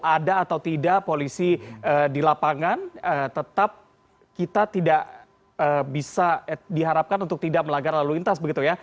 ada atau tidak polisi di lapangan tetap kita tidak bisa diharapkan untuk tidak melanggar lalu lintas begitu ya